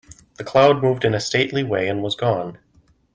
The cloud moved in a stately way and was gone.